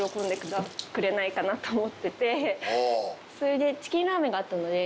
それでチキンラーメンがあったので。